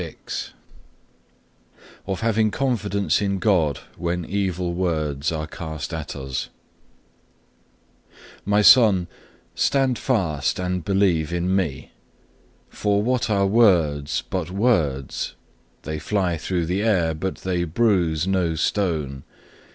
CHAPTER XLVI Of having confidence in God when evil words are cast at us "My Son, stand fast and believe in Me. For what are words but words? They fly through the air, but they bruise no stone.